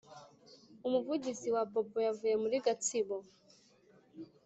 umuvugizi wa bobo yavuye muri gatsibo